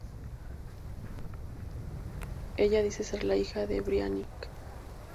Ella dice ser la hija de Brainiac.